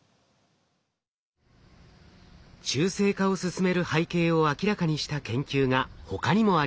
中性化を進める背景を明らかにした研究が他にもあります。